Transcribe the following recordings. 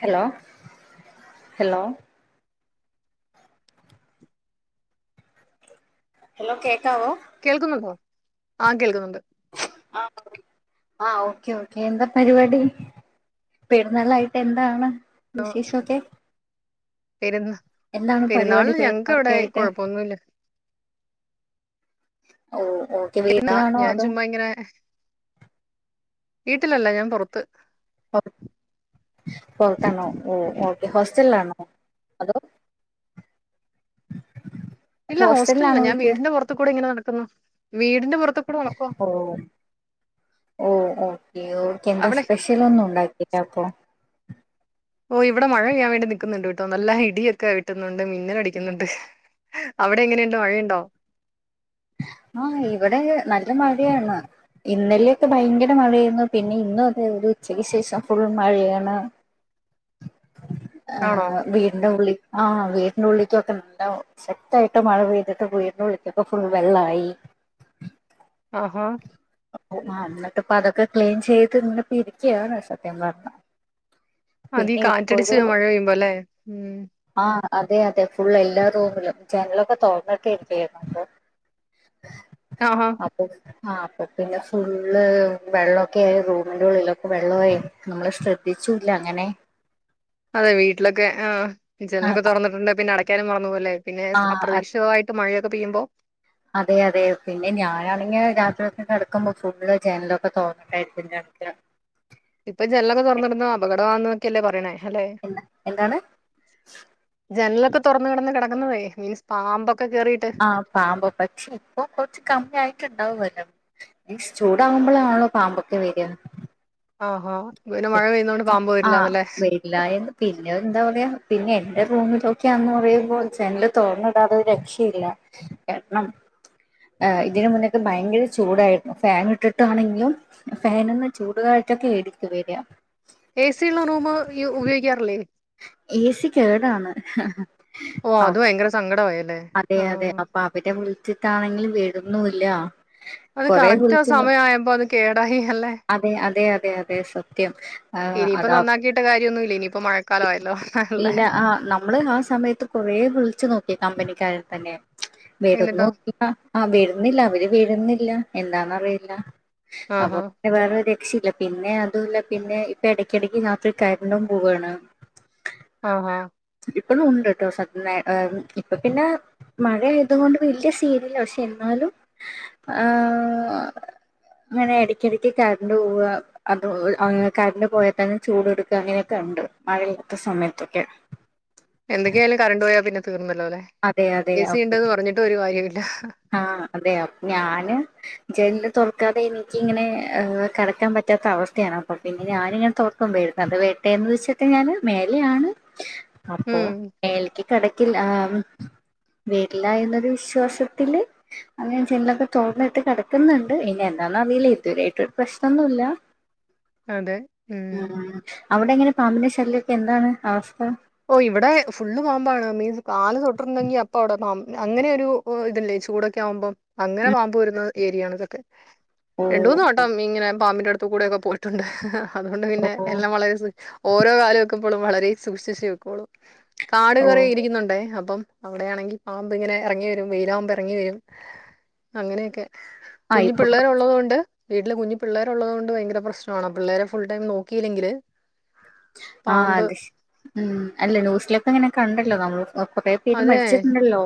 Hello.. hello... hello കേക്കാവോ? കേൾക്കുന്നുണ്ടോ? ആഹ് കേൾക്കുന്നുണ്ട്.. ! ആഹാ, ആഹാ, ഓക്കെ, ഓക്കെ എന്താ പരിപാടി? പെരുന്നാളായിട്ട് എന്താണ് വിശേഷോക്കെ? പെരുന്നാ, പരിപാടി പെരുന്നാളില് ഞങ്ങൾക്ക് ഇവിടെ പെരുന്നാളൊക്കെ ആയിട്ട് കൊഴപ്പൊന്നുല്ല. ഓ ഓ.. എന്നാ ഞാൻ ചുമ്മ ഇങ്ങനെ- വീട്ടിലല്ല ഞാൻ പൊറത്ത്. [unintelligible] പൊറത്തണോ ഓ ഓ. ഹോസ്റ്റലിലാണോ? അതോ? ഇല്ല ഹോസ്റ്റലല്ല ഹോസ്റ്റലിലാണോ ഞാൻ ചോദിക്കാ വീടിന്റെ- പൊറത്ത് കൂടെ ഇങ്ങനെ നടക്കുന്നു, വീടിന്റെ പൊറത്ത് കൂടെ നടക്കോ ഓ ഓ ഓക്കെ ഓക്കെ എന്താ- അവിടെ സ്പെഷ്യൽ ഒന്നും ഉണ്ടാക്കില്ല അപ്പോ? ഓ ഇവിടെ മഴ പെയ്യാൻ വേണ്ടി നിൽക്കുന്നുണ്ട് ട്ടോ നല്ല- ഇടിയൊക്കെ വിട്ടുന്നുണ്ട്, മിന്നലടിക്കുന്നുണ്ട്, അവിടെ എങ്ങനെയുണ്ട് മഴയുണ്ടോ? ആഹ ഇവിടെ നല്ല മഴയാണ്. ഇന്നലൊക്കെ ഭയങ്കര- മഴയായിരുന്നു, പിന്നെ ഇന്നും അതെ ഒരു ഉച്ചക്ക് ശേഷം ഫുൾ മഴയാണ്. ആ ആണോ വീടിന്റെ ഉള്ളി- ആഹ വീട്ട്നുള്ളിക്കൊക്കെ നല്ല ശക്തായിട്ട് മഴ പെയ്തിട്ട്- വീടനുള്ളിക്കൊക്കെ ഫുൾ- വെള്ളായി. ആഹാ.. ആ എന്നിട്ടിപ്പ അതൊക്കെ ക്ലീൻ- ചെയ്ത് ഇന്നിപ്പ ഇരിക്കാണ് സത്യം പറഞ്ഞാ. അതീ കാറ്റടിച്ച് മഴ പെയ്യുമ്പോലെ, ഉം.. ആഹ അതെ അതെ ഫുളള് എല്ലാ- റൂമിലും ജനങ്ങളൊക്കെ തോറന്നിട്ട് ഇരിക്കായിരുന്നു. [unintelligible] ആഹാ. ആഹാ. പിന്നെ ഫുള്ള് വെള്ളം ഒക്കെ- ആയി റൂമിൻ്റെ ഉള്ളിലൊക്കെ- വെള്ളം ആയി നമ്മൾ ശ്രദ്ധിച്ചു ഇല്ല, അങ്ങനെ. അതെ വീട്ടിലൊക്കെ ആ ആ ജനലൊക്കെ തൊറന്നിട്ടുണ്ട് പിന്നെ, അടക്കാനും മറന്ന് പോവും ലെ. പിന്നെ ആ അത് അപ്രതീക്ഷിതമായിട്ട്- മഴയൊക്കെ പെയ്യുമ്പോ- അതെ അതെ പിന്നെ ഞാനാണെങ്കിൽ രാത്രി ഒക്കെ- കെടക്കുമ്പോൾ ഫുള്ള് ജനലൊക്കെ തൊറന്നിട്ടായിരിക്കും കെടക്ക. ഇപ്പം ജനലൊക്കെ തൊറന്നിടുന്ന- അപകടമാണോക്കെ അല്ലേ പറയ്ണ്. എന്താ, എന്താണ്? ജനലൊക്കെ തൊറന്ന് കെടന്ന്, കെടക്കുന്നത് മീൻസ് പാമ്പൊക്കെ കേറിയിട്ട്. ആ പാമ്പൊക്കെ പക്ഷെ ഇപ്പൊ കൊറച്ച് കമ്മി ആയിട്ട്ണ്ടാവല്ലോ ഈ ചൂടാകുമ്പളാണല്ലോ പാമ്പൊക്കെ വര്യ ആഹ് ഹാ പിന്നെ മഴ പെയ്യുന്നോണ്ട് പാമ്പ് വരില്ലാന്ന് ലെ ല്ല എന്ന് പിന്നെ എന്താ പറയാ പിന്നെ എന്റെ റൂമിലൊക്യ അന്ന് പറയുമ്പോൾ ജനല് തോറന്നിടാതെ ഒരു രക്ഷയില്ല കാരണം ആഹ് ഇതിന്റെ മുന്നൊക്കെ ഭയങ്കര ചൂടായിരുന്നു ഫാൻ ഇട്ടിട്ടാണെങ്കിലും ഫാനിന്ന് ചൂടുകാറ്റൊക്കെ എടുത്ത് വരിക എ സി ഉള്ള റൂമ് യു ഉപയോഗിക്കാറില്ലേ എ സി കേടാണ് ഓ ആ, അത് ഭയങ്കര സങ്കടമായല്ലേ അതെ അതെ ആഹ് അപ്പോ അവരെ വിളിച്ചിട്ടാണെങ്കിലിൽ വരുന്നും ല്ല അത് കൊറെ കറക്റ്റ് ആ വിളിച്ചു നോക്കി സമയമായപ്പോ അത് കേടായി അല്ലേ അതെ അതെ അതെ അതെ സത്യം ആഹ് ഇനിയിപ്പ അതാ നന്നാക്കിയിട്ട് കാര്യഒന്നും ഇല്ല ഇനിയിപ്പ മഴക്കാലം ആയല്ലോ അലെ ഇല്ല ആഹ് നമ്മള് ആ സമയത്ത് കൊറെ വിളിച്ചു നോക്കി കമ്പനിക്കാരെ തന്നെ എന്നിട്ടോ വരുന്നും ല്ല ആഹ് വരുന്നില്ല അവര് വരുന്നില്ല എന്താന്നറിയില്ല അപ്പോ ആഹാ വേറെ രക്ഷയില്ല പിന്നെ അതു അല്ല പിന്നെ ഇപ്പ എടയ്ക്ക എടയ്ക്ക് രാത്രി കരണ്ടും പോവാണ് ആഹ് ഹ ഇപ്പളും ഉണ്ട് ട്ടോ സത്യം എ ഇപ്പോ പിന്നെ മഴയായതുകൊണ്ട് വലിയ സീനില്ല പക്ഷേ എന്നാലും ആ ഇങ്ങനെ എടയ്ക്യടക്ക് കറണ്ട് പോവുക അതോ അങ്ങ കരണ്ട് പോയാ തന്നെ ചൂട് എടുക്ക അങ്ങനെയൊക്കെ ഉണ്ട് മഴയില്ലാത്ത സമയത്തൊക്കെ എന്തൊക്കെയാലുംകറണ്ട്പോയാ പിന്നെതീർന്നല്ലോലേ അതെ എ സി ഉണ്ടന്ന്പറ്ഞ്ഞിട്ട്ഒരുകാര്യമില്ല ആഹ്‌ അതെയഅപ്പ്ഞാന് ജന്ല് തൊറക്കാതെ എനിക്ക് ഇങ്ങനെ കടക്കാൻ പറ്റാത്ത അവസ്ഥയാണ് അപ്പൊ പിന്നെ ഞാനിങ്ങനെ തൊ പ്പമ്പരും അത് വേട്ടേന്ന് വെച്ചിട്ട്ഞാന് മേലെയാണ് ഉം അപ്പോമെൽക്ക്കടക്കില്ല ആഹ്‌ വീട്ടീലായന്നൊരു വിശ്വാസം ത്തില് അത്ഞാൻ ജൻലൊക്കെ തൊറന്നിട്ട് കടക്കുന്നുണ്ട് ഇനിഎന്താന്നറിയില്ല ഇതുവെരായിട്ടൊരു പ്രശ്നംന്നുല്ല അതെ ഉം ആഹ്‌ അവിടെങ്ങനെ പാമ്പിന്റെശല്ലിയൊക്കെന്താണ് അവസ്ഥ? ഓഇവിടെ ഫുള്ള്പാമ്പാണ് മീൻസ് കാല്തൊട്ട്ഉർണ്ടെങ്കിഅപ്പവിടെപാമ്പ് അങ്ങനെയൊരു ഓതല്ലേ ചൂടൊക്കെയാവുമ്പം ഉം അങ്ങനെപാമ്പ് വരുന്നത്ഏരിയാണ് ഇതൊക്കെ ഓ രണ്ട്മൂന്ന് വട്ടം ഇങ്ങനെപാമ്പിന്റെ അട് ത്ത്കൂടെക്കെപോയിട്ടുണ്ട് അത്കൊണ്ട്പിന്നെ ഓ എല്ലാംവളരെസ്സ് ഓരോകാല് വെക്കുമ്പോളും വളരെസൂക്ഷിച്ച് കോളു ഓ കാട്കേറി ഇര്ക്കുന്നുണ്ടേ അപ്പം അവ്ടെയാണങ്കി പാമ്പ്ഇങ്ങനെ അറങ്ങിവരും വെയിലാവുമ്പൊഎറങ്ങിവരും അങ്ങനെയൊക്കെ ആ ഇപ്പൊ കൊ- കുഞ്ഞ്പിള്ളേര്ഉള്ളത്കൊണ്ട് വീട്ടില് കുഞ്ഞുപിള്ളേര് ഉള്ളത്കൊണ്ട് ഭയരപ്രശ്നാണ് പിള്ളേരെഫുൾംടൈ നോക്കയില്ലെങ്കില് ആഹ്‌ അത്ശ് ഉം അല്ല ന്യൂസിലേക്കെങ്ങനെകണ്ടല്ലോനമ്മൾ കൊറേ പേര് അതെ മരിച്ചിട്ടുണ്ടല്ലോ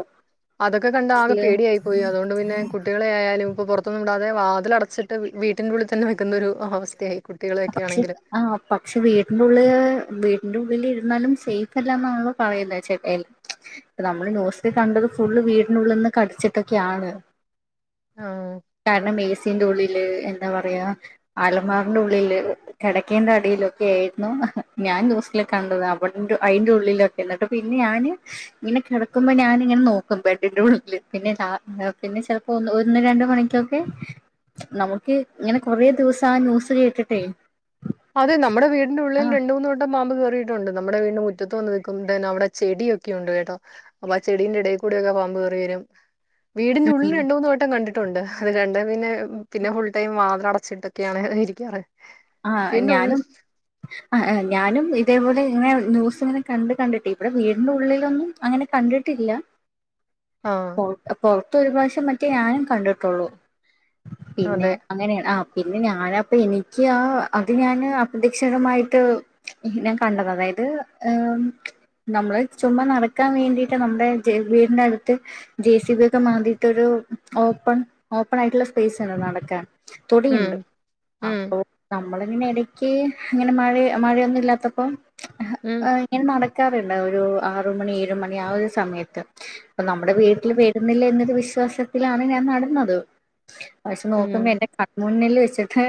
അതൊക്കെ കണ്ട് ആകെ ന്യൂസില് പേടിയായിപോയി അതോണ്ട്പിന്നെ കു കുട്ടിയെളെയായാലും ഇപ്പോൾ പുറത്തൊന്നും വിടാതെ വാതിലടച്ചിട്ട് വി വീട്ടൻ്റെ ഉള്ളിൽ തന്നെ വെക്കുന്ന ഒരു അവസ്ഥയായി കുട്ടികളെയൊക്കെ പക്ഷെ ആണെങ്കില് ആഹ് പക്ഷെ വീട്ന്റെഉള്ളില് വീട്ട്ന്റെഉള്ളിലിരുന്നാലും സേയ്ഫ്അല്ല എന്നാണല്ലോ പറയുന്നെ ചെലര് ഇപ്പൊ നമ്മള് ന്യൂസ് ല് കണ്ടത് ഫുള്ള് വീട്നുള്ള്ന്ന് കട്ച്ച്ട്ടൊക്കെയാണ് ആഹ് കാരണം ഏസിന്റെഉള്ളില് എന്താപറയാ അലമാറന്റെഉള്ളില് കെടക്കേന്റെ അടിലൊക്കെയായിരുന്നു ഞാൻ ന്യൂസില്കണ്ടത് അവന്റെ അയിന്റെഉള്ളിലൊ എന്ന്ട്ട്പിന്നെഞാന് ഇങ്ങനെ കെടക്കുമ്പോഞാനിങ്ങനെ നോക്കും ബെഡിഉള്ളിൽ പിന്നെതാ പിന്നെചെൽ പ്പൊ ഒന്ന് രണ്ട്മണിക്കൊക്കെ നമുക്ക് ഇങ്ങനെകൊറേ ദിവസാ ആന്യൂസ് കേട്ടിട്ടേ അതെ നമ്മ്ടെ വീടിന്റെഉള്ളിൽ ആഹ് രണ്ട്മൂന്ന് വെട്ടം പാമ്പ് കേറീയിട്ടുണ്ട്. നമ്മുടെവീട്ന്റെ മുറ്റത്ത് വന്ന് നിക്കുന്നത് തന്നെ അവിടെചെടിയൊക്കെ ഉണ്ട്കേട്ടോ അപ്പൊഅചെടിന്റെ എടേക്കുടെക്കെപാമ്പ്കേറിവരും ഉം വീടിന്റെഉള്ളില് രണ്ടു, മൂന്ന് വട്ടംകണ്ടി ട്ടുണ്ട് അത്കണ്ടപിന്നെ പിന്നെഫുൾടൈം വാതിലട്ച്ചിട്ടൊക്കെയാണ് ഇരിക്കാറ് ആഹ് വീടിന്റെ ഉള്ളിൽ ഞാനും അഹെ ഞാനുംഇതേപലെങ്ങനെ ന്യൂസ് ഇങ്ങനെ കണ്ട്കണ്ടിട്ടെയ് ഇവ്ടെ വീട്ന്റെഉള്ളിലൊന്നുംഅങ്ങനെ കണ്ട്ട്ടില്ല ആഹ് പൊറ്ത്തൊരു പ്രാവശ്യംമറ്റേ ഞാനുംകണ്ട്ട്ടൊള്ളൂ പിന്നെ അതെ അങ്ങനെണ് ആ പിന്നെഞാനപ്പ എനിക്ക്ആ അത്ഞാന് അപ്രതീക്ഷിതകമായിട്ട് ഞാൻകണ്ടത്അതയത് ഏഹ് നമ്മള് ചുമ്മാനടക്കാൻവേണ്ടിട്ട് നമ്മുടെ [unintelligible] അകത്ത് ജെ സി ബിയൊക്കെ മാന്തിയിട്ടൊരു ഓപ്പൺ ഓപ്പണായിട്ടുള്ള സ്പേസ്ണ്ട്നടക്കാൻ ഉം ഉം നമ്മളിങ്ങനെഎടയ്ക്ക് ങ്ങ്നെമഴ മഴയൊന്നുംല്ലാത്തപ്പോ ഉം ഇങ്ങെനടക്കാറുണ്ട് ഒരു ആറ്മണി ഏഴുമണി ആ ഒരുസമയത്ത് അപ്പൊനമ്മുടെ ഉം വീട്ടില് ബെ ട്ടുന്നില്ലെഎന്നൊരു വിശ്വാസത്തിലാണ്ഞാൻനടന്നത് ഉം പഷെനോക്കുമ്പോഎന്റെ ക മുണ്ണില് വെച്ചിട്ട്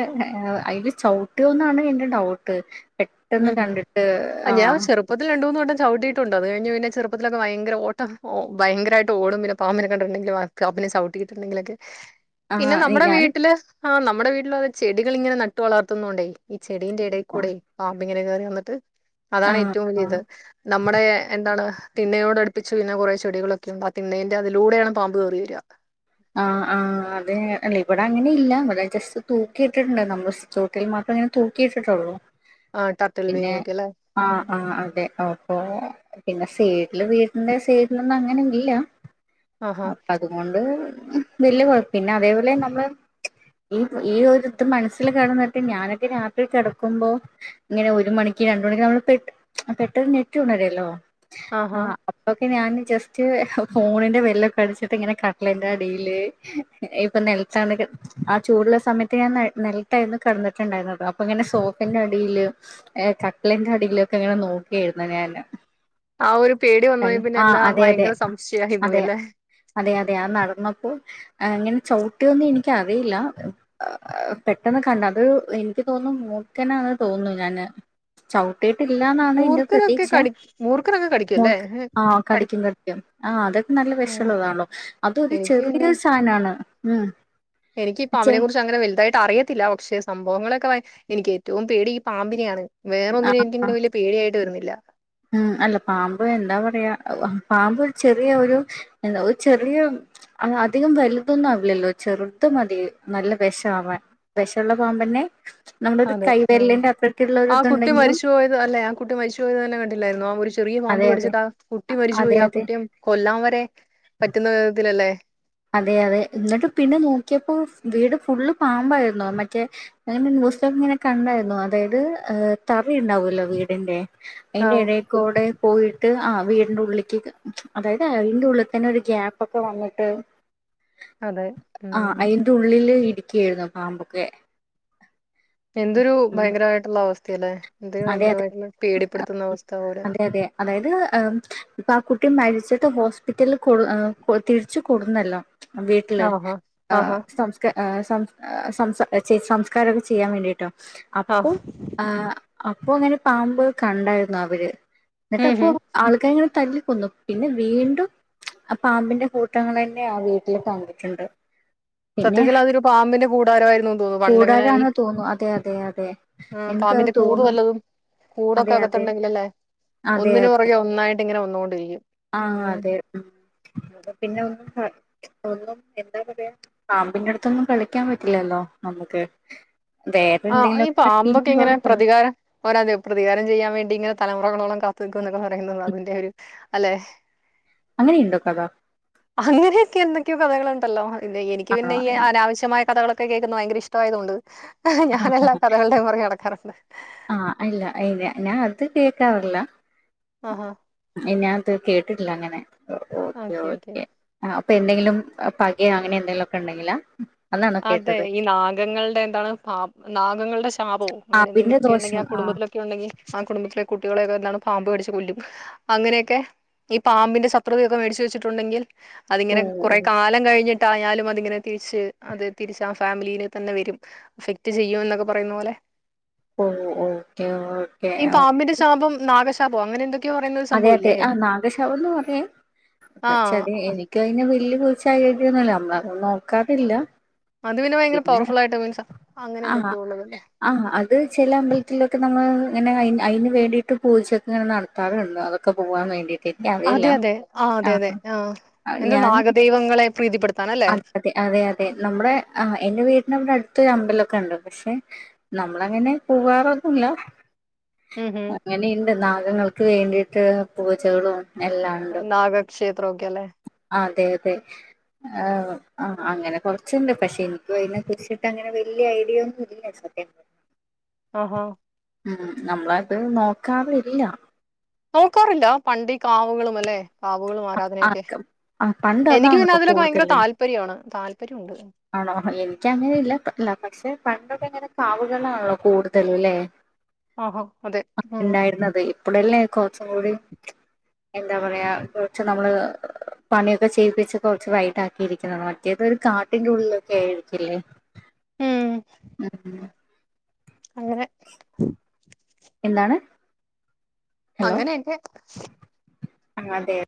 അയില് ച്ചൊവ്ട്ടിയൊന്നാണ് എന്റെഡൗട്ട് പെട്ടെന്ന്കണ്ടിട്ട് ആഹ് പ്പത്തില് രണ്ട് മൂന്ന് വട്ടം ചവിട്ടിട്ടുണ്ട് അതുകഴിഞ് പിന്നെ ചെറുപ്പത്തിലൊക്കെ ഭയങ്കര ഓട്ട ഭയങ്കരായിട്ട് ഓടും പാമ്പിനെ കണ്ട്ണ്ടെങ്കി ക്കാപ്പിലെസൗണ്ട്കേട്ട്ട്ടുണ്ടങ്കിലൊക്കെ പിന്നെ ആഹ് നമ്മുടെ ഞാന് വീട്ടില് ആ നമ്മുടെ വീട്ടില് അ ചെടികൾ ഇങ്ങനെ നട്ട് വളർത്തുന്നുണ്ടേ ഈ ചെടിന്റെ ഇടയിൽ കൂടെ ആഹ് പാമ്പ് ഇങ്ങനെ കയറി വന്നിട്ട് അതാണ് ആഹ് ഏറ്റവും വലിയ ഇത് നമ്മുടെ എന്താണ് തിണ്ണയോട് അടുപിച്ചു പിന്നെ കുറ ചെടികളൊക്ക ഉണ്ട് ആ തിണ്ണന്റെ അതിലൂടെയാണ് പാമ്പ് കറി വരിക ആ ആ അതേയ് ഇവിടെ അങ്ങനെ ഇല്ല ഇവിടെ ജസ്റ്റ് തൂക്കിയിട്ടിട്ടുണ്ട് നമ്മൾ ചൂട്ടിൽ മാത്രേ ഞാൻ തൂക്കിയിട്ടിട്ടുള്ളൂ ആഹ് ടർട്ടിൽ പിന്നെ വീനൊക്കെ അല്ലേ ആ ഉം. ആ അതെ ഓ അപ്പോ പിന്നെ സൈഡിലിൽ വീടിന്റെ സേഡിലൊന്നും അങ്ങനെ ഇല്ല ആഹാ അപ്പൊ അതുകൊണ്ട് വലിയ കുഴപ്പമില്ല പിന്നെ അതേപോലെ നമ്മള് ഈ ഈ ഒരുരിത് മനസ്സില് കിടന്നിട്ട് ഞാനിതു രാത്രി കിടക്കുമ്പോ ഇങ്ങനെ ഒരു മണിക്ക് രണ്ട് മണിക്ക് നമ്മള് പെ പെട്ടെന്ന് ഞെറ്റി ഉണരുമല്ലോ ആ ആഹാ അപ്പൊക്കെ ഞാന് ജസ്റ്റ് ഫോണിന്റെ ബെല്ലൊക്കെ അടിച്ചിട്ട് ഇങ്ങനെ കടല അടിയില് ഇപ്പൊ നെൽത്താന് കിട ആ ചൂടുള്ള സമയത്ത് ഞാൻ നിലതായിരുന്നു കിടന്നിട്ടുണ്ടായിരുന്നത് അപ്പൊ ഇങ്ങനെ സോഫിന്റെ അടിയില് ഏ കട്ടിലിന്റെ അടിയിലൊക്കെ ഇങ്ങനെ നോക്കിയായിരുന്നു ഞാന് ആ ഒരു പേടി വന്നുപോയ ആ പിന്നെല്ലാം അതെ അതെ ഭയങ്കര സംശയമായി അതെ പോയി അല്ലേ അതെ അതെ അ നടന്നപ്പോ ഇങ്ങനെ ചവിട്ടിയൊന്നും എനിക്ക് അറിയില്ല പെട്ടെന്ന് കണ്ടു അത് എനിക്ക് തോന്നുന്നു മൂർഖൻ ആണ് എന്ന് തോന്നുന്നു ഞാന് ചവിട്ടിയിട്ടില്ലന്നാണ് എൻന്റെ മൂർഖനൊക്കെ പ്രതീക്ഷ കടി മൂർഖനൊക്കെ കടിക്കുംല്ലേ ആ കടി കടിക്കും ആ അതൊക്കെ നല്ല ഉം വിഷമള്ളതാല്ലോ അതൊ എനിക്ക് പിന്നെ ചെറുതിനാ സാനാണ് ഉ എനിക്ക് ഇപ്പ അവനെ കുറിച്ച് അങ്ങന വലുതായിട്ട് അറിയത്തില്ല പക്ഷേ സംഭവങ്ങളൊക്കെ എനിക്ക് ഏറ്റവും പേടി ഈ പാമ്പിനെയാണ് വേറെ ഒന്നിനും എനിക്കങ്ങനെ വലിയ പേടിയായിട്ട് വരുന്നില്ല ഉം അല്ല പാമ്പ് എന്താ പറയാ പാമ്പ് ചെറിയ ഒരു എന്താ ഒരു ചെറിയ അ അധികം വലുതൊന്നും ആവില്ലല്ലോ ചെറുത് മതി നല്ല വിഷമാവാൻ വിഷമുള്ള പാമ്പ് തന്നെ നമ്മളൊരു അതെ ആഹ് കൈവിരലിന്റെ അത്രക്കുള്ള ഒരു ആ കുട്ടി ഇതുണ്ടെങ്കിലും മരിച്ചു പോയത് അല്ല ആ കുട്ടി മരിച്ച പോയത് തന്ന കണ്ടില്ലായിരുന്നോ ഒരു ചെറിയ പാമ്പ് അതെ അതെ കടിച്ചട്ട് ആ കുട്ടി മരിച്ചപോയി അതെ ആ അതെ കുട്ടിയെ കൊല്ലാൻ വരെ പറ്റുന്ന ഇതിലല്ലേ അതെ അതെ എന്നിട്ട് പിന്നെ നോക്കിയപ്പോ വീട് ഫുള്ള് പാമ്പായിരുന്നു മറ്റേ ന്യൂസ്‌പേപ്പറിൽ കണ്ടായിരുന്നു അതായത് അതായത് തറ ഉണ്ടാവല്ലോ വീടിന്റെ അയിന്റെ ആഹ് എടയി കൂടെ പോയിട്ട് ആഹ് വീടിന്റെ ഉള്ളിക്ക് അതായത് അയിന്റെ ഉള്ളി തന്നെ ഒരു ഗ്യാപൊക്ക വന്ന്ട്ട് അതെ ആഹ് ഉം അയിന്റെ ഉള്ളില് ഇരിക്കുയാർന്നു പാമ്പൊക്കെ എന്തൊരു ഉം ഭയങ്കരമായിട്ട്ള്ള അവസ്ഥയാലെ എന്തൊരു അതെ അതെ ഭയങ്കരമായിട്ട്ള്ള പേടിപ്പെട്ത്ത്ന്ന അവസ്ഥ പോലെ അതെ അതെ അതായത് ഏഹ് ഇപ്പ ആഹ് കുട്ടി മര്ച്ചിട്ട് ഹോസ്പിറ്റലിൽ കൊട് ഏഹ് തിരിച്ച് കൊട്ന്നല്ലൊ വീട്ട്ല് ആഹാ ആഹ് ആഹാ സംസ് സംസ് സംസാ ചെ സംസ്കാരൊക്ക ചിയ്യാൻ വേണ്ടിട്ടൊ അപ്പൊ ആഹ് അപ്പൊ ഇങ്ങനെ പാമ്പ് കണ്ടാര്ന്നു അവര് ഇന്ന്ട്ട് ഉം അപ്പൊ ഹും ആൾക്കാര് ഇങ്ങനെ തല്ലിക്കൊന്നു പിന്നെ വീണ്ടും ആ പാമ്പിന്റെ കൂട്ടങ്ങളെന്നെ ആ വീട്ടില് കണ്ടിട്ടുണ്ട് പിന്നെ സത്യത്തില് അതൊരു പാമ്പിന്റെ കൂടാരം ആയിരുന്നു എന്ന് തോന്നുന്നു പണ്ടെങ്ങനെ ഈ കൂടാരാണ് തോന്നുന്നു അതെ അതെ അതെ ആഹ് എനിക്കത് പാമ്പിന്റെ കൂട് തോന്നുന്നു വല്ലതും കൂടൊക്ക അതെ അതെ അകത്ത്ണ്ടെങ്കിലല്ലെ അതെ ഒന്നിന് അതെ പൊറകെ ഒന്നായിട്ട് ഇങ്ങനെ വന്നോണ്ടിരിക്കും ആഹ് അതെ ഉം അപ പിന്നെ ഒന്നും ഒന്നും എന്താ പറയാ പാമ്പിന്റെ അട്ത്തൊന്നും കളിക്കാൻ പറ്റില്ലല്ലോ നമുക്ക് വേറെ ആഹ് ഈ എന്തെങ്കിലുമൊക്കെ പാമ്പൊക്കെ പിന്നെ എങ്ങന കുഴപ്പമില്ല പ്രതികാരം ഓരാ പ്രതികാരം ചെയ്യാൻ വേണ്ടി ഇങ്ങനെ തലമുറകളോളം കാത്ത്നിക്കും എന്നൊക്ക പറയുന്ന അതിന്റെ ഒരു അല്ലെ അങ്ങനി ഇണ്ടൊ കഥ അങ്ങനെയൊക്കെ എന്തൊക്കെയോ കഥകളുണ്ടല്ലോ എനിക്ക് ആണോ പിന്നെ ഈ അനാവശ്യമായ കഥകളൊ ക്കെ കേക്ക്ന്നത് ഭയങ്കര ഇഷ്ടമായതോണ്ട് ഞാനെല്ലാ കഥകൾടെം പൊറകെ നടക്കാറുണ്ട്. ആഹ് ഇല്ല ഇല്ല ഞാൻ അത് കേക്കാറില്ല. ആഹാ ഞാൻ ഇത് കേട്ടിട്ടില്ല അങ്ങനെ ഓക്കെ ഓക്കെ ആഹ് അപ്പൊ എന്തെങ്കിലും പക അങ്ങനെ എന്തെങ്കിലും ഒക്കെ ഇണ്ടെങ്കിലാ അതെ ഈ നാഗങ്ങൾടെ എന്താണ് പാ നാഗങ്ങൾടെ ശാപവും പാമ്പിന്റെ അങ്ങനെന്തെങ്കിലൊക്ക ഇണ്ടെങ്കി ദോഷം ആഹ് കുടുംബത്തിലെ ഒക്കെ ഉണ്ടെങ്കി ആഹ് കുടുംബത്തിലെ കുട്ടികളെയൊക്കെ എന്താണ് പാമ്പ് കടിച്ച് കൊല്ലും അങ്ങനെയൊക്കെ ഈ പാമ്പിന്റെ ശത്രുതയൊക്കെ വേടിച്ച് വെച്ചിട്ടുണ്ടെങ്കിൽ ഓ അതിങ്ങനെ കുറെ കാലം കഴിഞ്ഞിട്ടായാലും അതിങ്ങനെ തിരിച്ച് അത് തിരിച്ച ആഹ് ഫാമിലീനെ തന്നെ വരും അഫക്ട് ചെയ്യും എന്നൊക്ക പറയുന്ന പോലെ ഓ ഓ ഓക്കെ ഓക്കെ ഈ പാമ്പിന്റെ ശാപം നാഗശാപം അങ്ങനെ എന്തൊ അതെ അതെ ആഹ് നാഗശാപന്ന് പറയും പക്ഷെ ആഹ് അത് എനി ക്കയിന് വല്യ കുറിച്ചഴ് ഐഡിയൊന്നുല്ല നമ്മള് അത് നോക്കാറില്ല മധുവിന് ഭയങ്കര പിന്നെ പവർഫുൾ ആയിട്ട് മീൻസ് അങ്ങനെ ആഹ് എന്തൊക്കെയോ ഉള്ളതല്ലെ ആഹ് അത് ചെല അമ്പൽത്തിലൊക്ക നമ്മള് ഇങ്ങന അയിന് വേണ്ടീട്ട് പൂജക്ക ഇങ്ങന നട് ത്താറ്ണ്ട് അതൊക്ക പൂവാൻ വേണ്ടീട്ട് അതെ അതെ ആഹ് അതെ അതെ ആഹ് എന്ത നാഗദൈവങ്ങളെ പ്രീതിപ്പെട് അതെ അതെ അതെ അതെ നമ്മ്ടെ ആഹ് എന്റെ വീട്ട്ന് ഇവടെ അട്ത്തൊരു അമ്പലൊക്ക ഇണ്ട് പക്ഷെ നമ്മള് അങ്ങനെ പൂവാറൊന്നുല്ല ഉം ഉം ഇങ്ങനീണ്ട് നാഗങ്ങൾക്ക് വേണ്ടീട്ട് പൂജകളും എല്ലാം ഉണ്ട് നാഗക്ഷേത്ര ഒക്കെലേ അതെ അതെ ആഹ് ആഹ് അങ്ങനെ കൊറ്ച്ച്ണ്ട് പക്ഷെ എനിക്കും അയിനെ കുറിച്ചിട്ട് അങ്ങനെ വല്യ ഐഡിയ ഒന്നുല്ല സത്യം [unintelligible] ആഹാ ഉം നമ്മളത് നോക്കാറില്ല നോക്കാറില്ല പണ്ടീ ഈകാവുകളും അല്ലെ കാവുകളും ആരാധനയൊക്കെ ആക്കം ആ പണ്ട് എനിക്ക് പിന്നെ അതാണല്ലോ അതിലൊക്ക ഭയങ്കര താല്പര്യാണ് താല്പര്യ ഉണ്ട് ആണൊ എനിക്ക് അങ്ങനെ ഇല്ല അല്ല പക്ഷെ പണ്ടൊക്ക ഇങ്ങനെ കാവ്കളാണല്ലൊ കൂടുതല് ലേ ആഹാ അതെ ആഹ് ഉം ഇണ്ടായിര്ന്നത് പൊളളൽനെ കെറച്ചും കൂടിം എന്താ പറയാ കെറച്ച് നമ്മള് പണിയൊക്കെ ചെയ്യിപ്പിച്ച് കൊറച്ച് വൈകിട്ടാക്കിയിരിക്കുന്നത് മറ്റേത് ഒരു കാട്ടിന്റെ ഉള്ളിലൊക്കെ ഏയിരിക്കില്ലേ ഉം [unintelligible] അങ്ങനെ എന്താണ് അങ്ങനെ എക്കെ ആഹ് അതെ